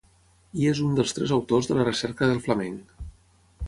I és un dels tres autors de La recerca del flamenc.